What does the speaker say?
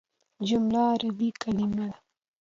جمله عربي کليمه ده.